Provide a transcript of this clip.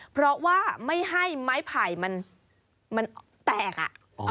เพราะว่าไม่ให้ไม้ไผ่มันแตก